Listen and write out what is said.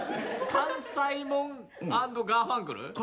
関西モン＆ガーファンクル？